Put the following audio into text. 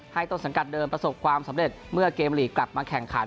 ต้นสังกัดเดิมประสบความสำเร็จเมื่อเกมลีกกลับมาแข่งขัน